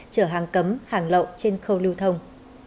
chở hàng cấm hàng lậu trên khâu lưu thông